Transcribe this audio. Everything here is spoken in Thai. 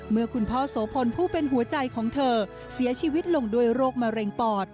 เมื่อคุณพ่อโสพลผู้เป็นหัวใจของเธอเสียชีวิตลงด้วยโรคมะเร็งปอด